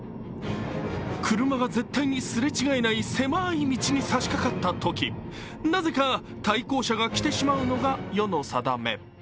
車が絶対にすれ違えない狭い道に差しかかったとき、なぜか対向車が来てしまうのが世の定め。